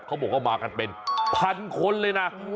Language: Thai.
เขาบอกว่ามากันเป็นพันคนเลยนะ